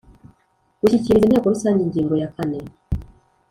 Gushyikiriza Inteko Rusange ingingo ya kane